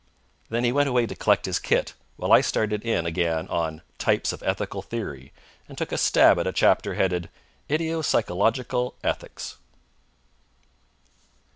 And then he went away to collect his kit, while I started in again on "Types of Ethical Theory" and took a stab at a chapter headed "Idiopsychological Ethics."